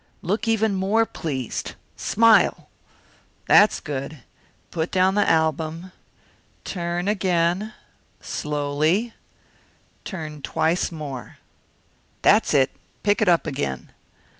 Look even more pleased smile! That's good. Put down the album; turn again, slowly; turn twice more, that's it; pick it up again.